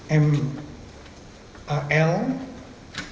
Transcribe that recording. kemudian saya juga sudah melaporkan kepada bapak presiden